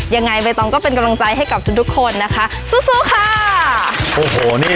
ยังไงใบตองก็เป็นกำลังใจให้กับทุกทุกคนนะคะสู้สู้ค่ะโอ้โหนี่